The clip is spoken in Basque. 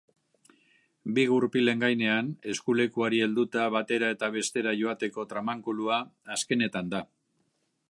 Bi gurpilen gainean, eskulekuari helduta batera eta bestera joateko tramankulua azkenetan da.